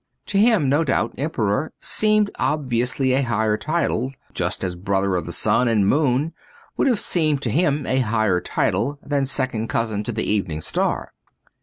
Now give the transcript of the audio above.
To him no doubt Emperor seemed obviously a higher title ; just as Brother of the Sun and Moon would have seemed to him a higher title than Second Cousin of the Evening Star.